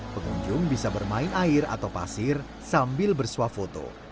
pengunjung bisa bermain air atau pasir sambil bersuah foto